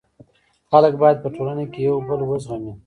خلک باید په ټولنه کي یو بل و زغمي.